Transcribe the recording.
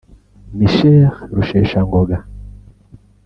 Michel Rusheshangoga